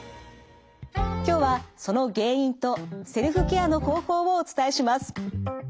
今日はその原因とセルフケアの方法をお伝えします。